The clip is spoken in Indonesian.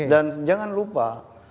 dan jangan lupa